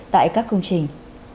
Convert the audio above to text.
tại các công trình